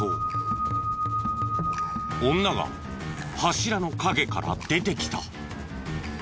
女が柱の陰から出てきた。